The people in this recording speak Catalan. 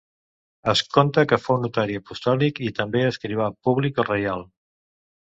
Es conta que fou notari apostòlic i també escrivà públic o reial.